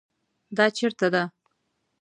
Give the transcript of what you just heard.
دا چیرته ده؟